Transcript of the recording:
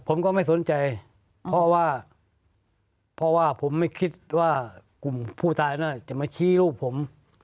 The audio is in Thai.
ผมก็ไม่สนใจเพราะว่าเพราะว่าผมไม่คิดว่ากลุ่มผู้ตายน่าจะมาชี้รูปผม